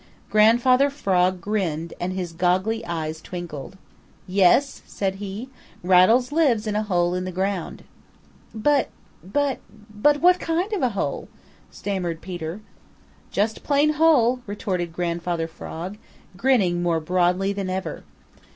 Grandfather Frog grinned and his goggly eyes twinkled. "Yes," said he, "Rattles lives in a hole in the ground." "But but but what kind of a hole?" stammered Peter. "Just plain hole," retorted Grandfather Frog, grinning more broadly than ever.